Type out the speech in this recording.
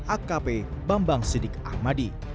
akp bambang sidik ahmadi